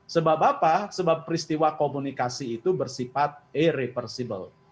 sebab apa sebab peristiwa komunikasi itu bersifat irreversible